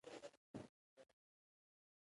د وفات شوي کارکوونکي کورنۍ ته مرسته ورکول کیږي.